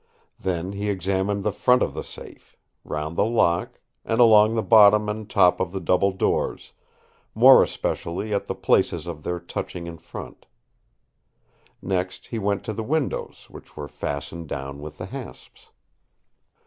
Then he examined the front of the safe; round the lock, and along the bottom and top of the double doors, more especially at the places of their touching in front. Next he went to the windows, which were fastened down with the hasps.